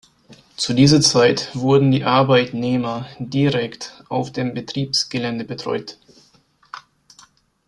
Zu dieser Zeit wurden die Arbeitnehmer direkt auf dem Betriebsgelände betreut.